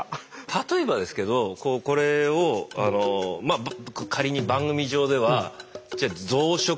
例えばですけどこれを仮に番組上ではじゃあ増殖